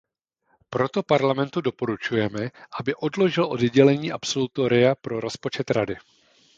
Proto Parlamentu doporučujeme, aby odložil oddělení absolutoria pro rozpočet Rady.